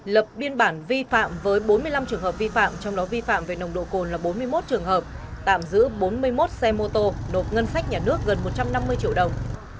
lập biên bản vi phạm với bốn mươi năm trường hợp vi phạm trong đó vi phạm về nồng độ cồn là bốn mươi một trường hợp tạm giữ bốn mươi một xe mô tô nộp ngân sách nhà nước gần một trăm năm mươi triệu đồng